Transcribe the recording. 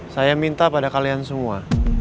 saya minta pada kalian semua